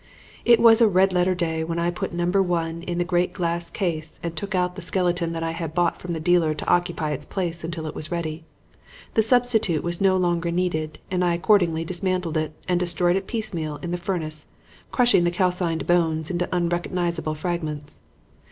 "It was a red letter day when I put Number One in the great glass case and took out the skeleton that I had bought from the dealer to occupy its place until it was ready. The substitute was no longer needed and I accordingly dismantled it and destroyed it piecemeal in the furnace, crushing the calcined bones into unrecognizable fragments.